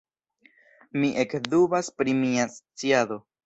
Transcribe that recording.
Mi ekdubas pri mia sciado.